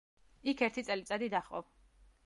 იქ ერთი წელიწადი დაჰყო.